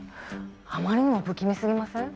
あまりにも不気味すぎません？